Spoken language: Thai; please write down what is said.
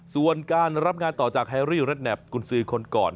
ส่วนการรับงานต่อจากแฮรี่รถแพ็กกุญสือคนก่อน